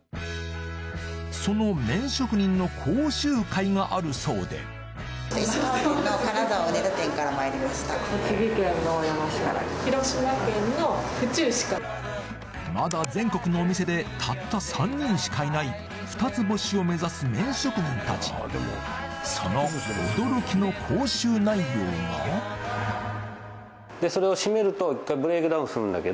その麺職人の講習会があるそうでまだ全国のお店でたった３人しかいない二つ星を目指す麺職人たちその驚きの講習内容がでそれを締めると一回ブレークダウンするんだけど。